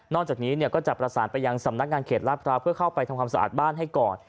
จากนี้ก็จะประสานไปยังสำนักงานเขตลาดพร้าวเพื่อเข้าไปทำความสะอาดบ้านให้ก่อน